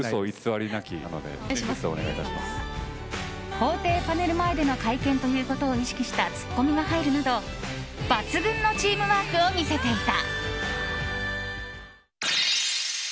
法廷パネルの前での会見ということを意識したツッコミが入るなど抜群のチームワークを見せていた。